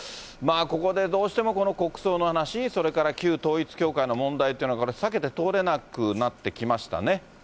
ここでどうしても、国葬の話、それから旧統一教会の問題というのは、これは避けて通れなくなってきましたね。